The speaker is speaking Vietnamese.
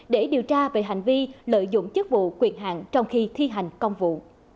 để điều tra về hành vi lợi dụng chức vụ quyền hạn trong khi thi hành công vụ